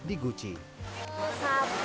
sebelum berendam air panas